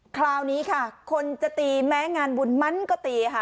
คราวนี้ค่ะคนจะตีแม้งานบุญมันก็ตีค่ะ